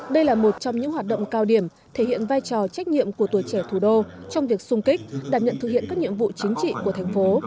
đây là một trong những hoạt động cao điểm thể hiện vai trò trách nhiệm của tuổi trẻ thủ đô trong việc sung kích đảm nhận thực hiện các nhiệm vụ chính trị của thành phố